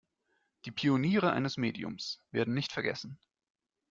Die Pioniere eines Mediums werden nicht vergessen.